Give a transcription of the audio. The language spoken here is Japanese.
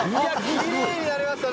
きれいになりましたね。